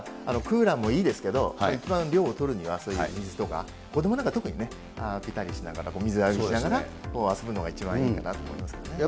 合わせて、ですから、クーラーもいいですけど、一番涼をとるには、そういう水とか、子どもなんか特にね、浴びたりしながら、水浴びしながら、遊ぶのが一番いいかなと思いますけどね。